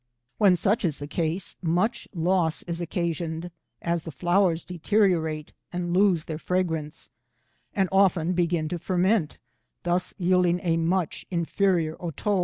When such is the case much loss is occasioned, as the flowers deteriorate and lose their fragrance, and often begin to ferment, thus yielding a much inferior otto.